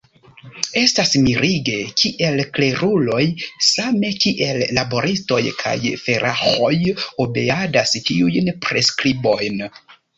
Estas mirige, kiel kleruloj same kiel laboristoj kaj felaĥoj obeadas tiujn preskribojn.